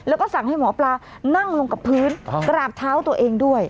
แล้วก็สั่งให้หมอปลานั่งลงกับพื้นกราบเท้าตัวเองด้วย